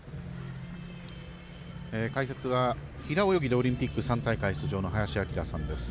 解説は平泳ぎでオリンピック３大会出場の林享さんです。